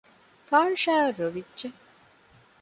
ފާރިޝާއަށް ރޮވިއްޖެ